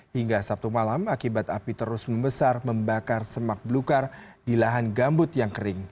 hingga sabtu malam akibat api terus membesar membakar semak belukar di lahan gambut yang kering